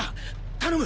頼む